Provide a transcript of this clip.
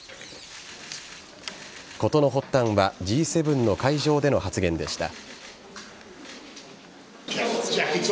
事の発端はＧ７の会場での発言でした。